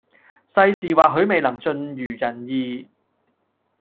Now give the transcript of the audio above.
世事或許未能盡如人意